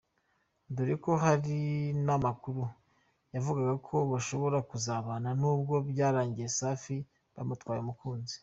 dore ko hari n’ amakuru yavugaga ko bashobora kuzabana nubwo byarangiye Safi bamutwaye umukunzi .